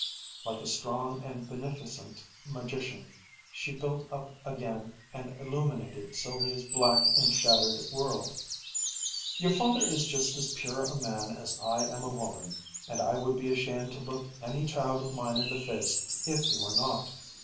Like a strong and beneficent magician, she built up again and illuminated Sylvia's black and shattered world. "Your father is just as pure a man as I am a woman, and I would be ashamed to look any child of mine in the face if he were not.